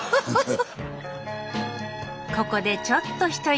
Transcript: ここでちょっと一息。